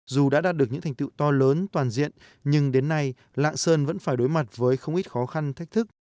dù đã đạt được những thành tựu to lớn toàn diện nhưng đến nay lạng sơn vẫn phải đối mặt với không ít khó khăn thách thức